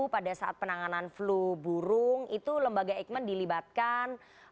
pada saat penanganan flu burung itu lembaga eijkman dilibatkan